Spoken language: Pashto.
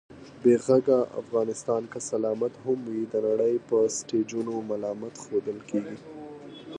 بې غږه افغانستان که سلامت هم وي، د نړۍ په سټېجونو ملامت ښودل کېږي